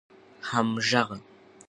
همږغه